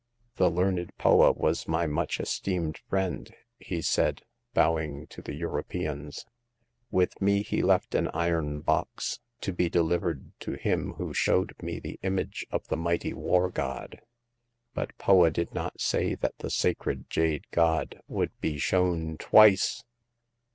"The learned Poa was my much esteemed friend," he said, bowing to the Europeans ;with me he left an iron box, to be delivered to him who showed me the image of the mighty war god. But Poa did not say that the sacred jade god would be shown twice